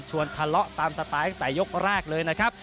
ทะเลาะตามสไตล์ตั้งแต่ยกแรกเลยนะครับ